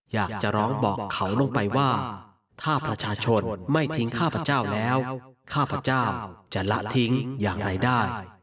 อยากจะร้องบอกเขาลงไปว่าถ้าประชาชนไม่ทิ้งข้าพเจ้าแล้วข้าพเจ้าจะละทิ้งอย่างไรได้